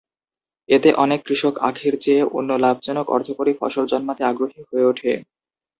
এতে অনেক কৃষক আখের চেয়ে অন্য লাভজনক অর্থকরী ফসল জন্মাতে আগ্রহী হয়ে ওঠে।